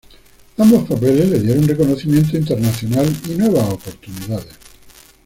Ambos papeles le dieron reconocimiento internacional y nuevas oportunidades.